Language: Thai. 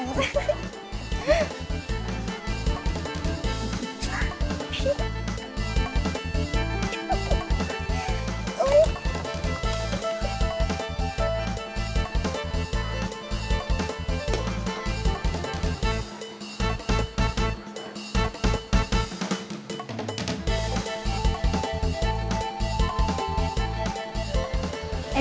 มานิดสิคุณพี่